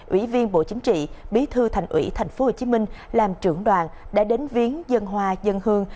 ủy viên bộ chính trị bí thư thành ủy tp hcm làm trưởng đoàn đã đến viếng dân hoa dân hương